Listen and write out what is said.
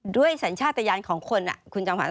ด้วยสัญชาติยานของคนคุณจังหวัง